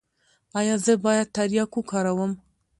ایا زه باید تریاک وکاروم؟